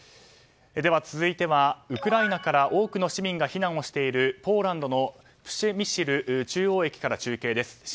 では続いてはウクライナから多くの市民が避難しているポーランドのプシェミシル中央駅から中継です。